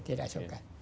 ya tidak suka